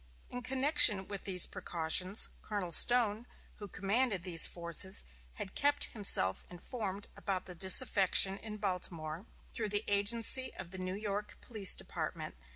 In connection with these precautions, Colonel Stone, who commanded these forces, had kept himself informed about the disaffection in Baltimore, through the agency of the New York police department.